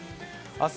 明日